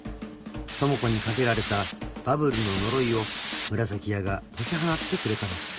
［智子にかけられたバブルの呪いをむらさき屋が解き放ってくれたのだ］